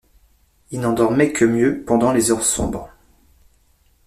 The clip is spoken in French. Ils n’en dormaient que mieux pendant les heures sombres.